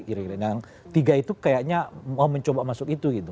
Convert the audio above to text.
kira kira yang tiga itu kayaknya mau mencoba masuk itu gitu